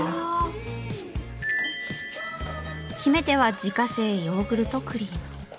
決め手は自家製ヨーグルトクリーム。